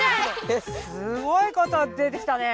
すごいことば出てきたね。